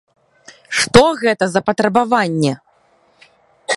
Што гэта за патрабаванне?